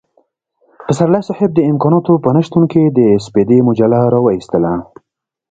پسرلی صاحب د امکاناتو په نشتون کې د سپېدې مجله را وايستله.